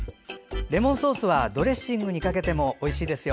レモンソースはサラダにかけてもおいしいですよ。